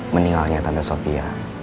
meninggalnya tante sofia